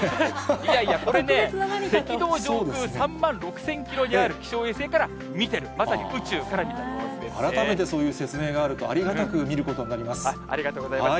いやいや、これね、赤道上空３万６０００キロにある気象衛星から見てる、まさに宇宙改めてそういう説明があると、ありがとうございます。